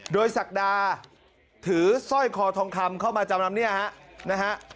โดยศักดาถือสร้อยคอทองคำเข้ามาจำนำเนี่ยฮะนะฮะ